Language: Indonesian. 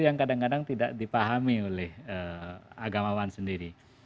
yang kadang kadang tidak dipahami oleh agamawan sendiri